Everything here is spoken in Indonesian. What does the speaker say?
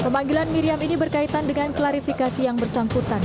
pemanggilan miriam ini berkaitan dengan klarifikasi yang bersangkutan